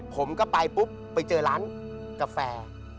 ผมก็ไปปุ๊บไปเจอร้านกาแฟ